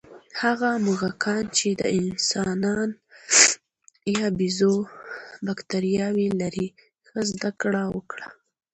هغه موږکان چې د انسان یا بیزو بکتریاوې لري، ښه زده کړه وکړه.